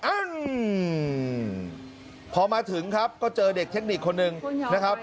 อืมพอมาถึงครับก็เจอเด็กเทคนิคคนหนึ่งนะครับ